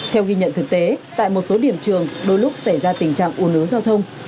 theo ghi nhận thực tế tại một số điểm trường đôi lúc xảy ra tình trạng ồn ứ giao thông